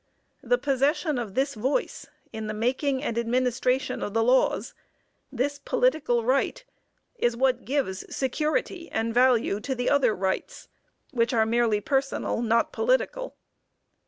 The possession of this voice, in the making and administration of the laws this political right is what gives security and value to the other rights, which are merely personal, not political.